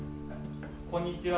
こんにちは。